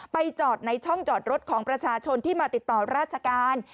จอดในช่องจอดรถของประชาชนที่มาติดต่อราชการ